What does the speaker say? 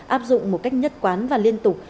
áp dụng một cách nhất quán và liên tục